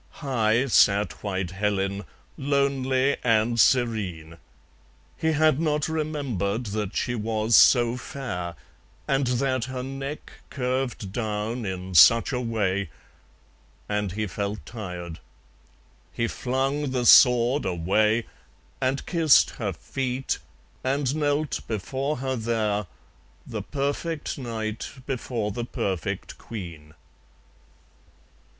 High sat white Helen, lonely and serene. He had not remembered that she was so fair, And that her neck curved down in such a way; And he felt tired. He flung the sword away, And kissed her feet, and knelt before her there, The perfect Knight before the perfect Queen.